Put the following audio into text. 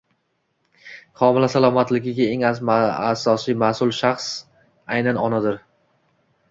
Homila salomatligiga eng asosiy mas’ul shaxs aynan onadir.